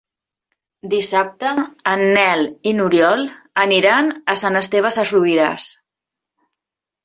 Dissabte en Nel i n'Oriol aniran a Sant Esteve Sesrovires.